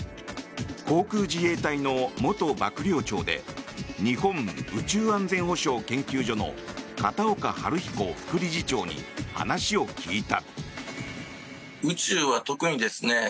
航空自衛隊の元幕僚長で日本宇宙安全保障研究所の片岡晴彦副理事長に話を聞いた。